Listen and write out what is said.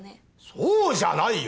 そうじゃないよ！